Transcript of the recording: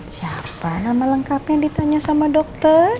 siapa nama lengkapnya ditanya sama dokter